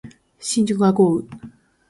新宿は豪雨